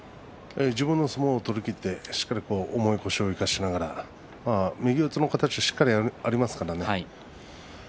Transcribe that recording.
自分の相撲を取りきって、しっかりと重い腰を生かしながら右四つの形がしっかりとありますからね。